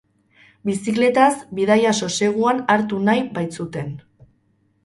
Bizikletaz, bidaia soseguan hartu nahi bait zuten.